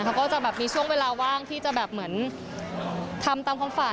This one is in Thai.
เขาก็จะแบบมีช่วงเวลาว่างที่จะแบบเหมือนทำตามความฝัน